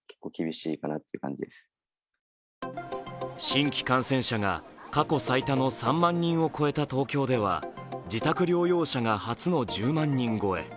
新規感染者が過去最多の３万人を超えた東京では自宅療養者が初の１０万人超え。